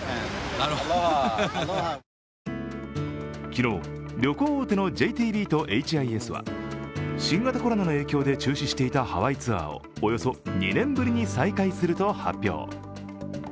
昨日、旅行大手のＪＴＢとエイチ・アイ・エスは新型コロナの影響で中止していたハワイツアーをおよそ２年ぶりに再開すると発表。